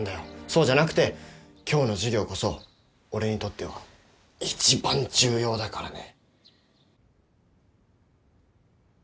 そうじゃなくて今日の授業こそ俺にとっては一番重要だからね。